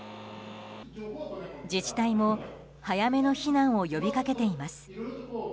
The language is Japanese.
自治体も早めの避難を呼びかけています。